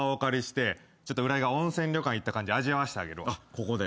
ここで？